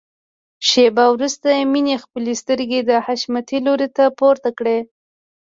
شېبه وروسته مينې خپلې سترګې د حشمتي لوري ته پورته کړې.